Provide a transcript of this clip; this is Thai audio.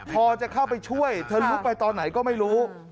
พอจะเข้าไปช่วยเธอลุกไปตอนไหนก็ไม่รู้